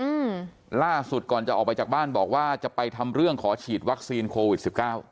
อืมล่าสุดก่อนจะออกไปจากบ้านบอกว่าจะไปทำเรื่องขอฉีดวัคซีนโควิดสิบเก้า